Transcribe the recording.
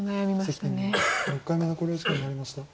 関天元６回目の考慮時間に入りました。